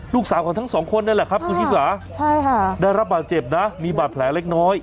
ลูกสาวของทั้งสองคนนั่นแหละครับคุณชิสาได้รับบาดเจ็บนะมีบาดแผลเล็กน้อย